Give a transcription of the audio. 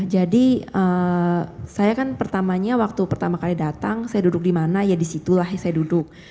jadi saya kan pertamanya waktu pertama kali datang saya duduk dimana ya disitulah saya duduk